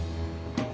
tidak ada apa apa